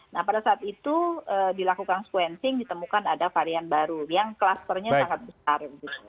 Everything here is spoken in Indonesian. nah pada saat itu dilakukan sequencing ditemukan ada varian baru yang klasternya sangat besar